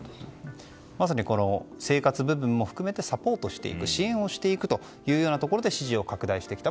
まさに生活部分も含めてサポートや支援をしていくというようなところで支持を拡大してきた。